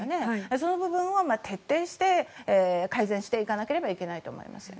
その部分を徹底して改善していかなければいけないと。